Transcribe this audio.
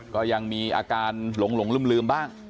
ก็ยังมีอาการหลงลืมบ้าง